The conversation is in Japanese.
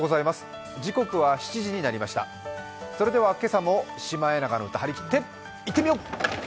それでは今朝も「シマエナガの歌」張り切っていってみよう！